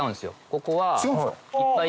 ここは。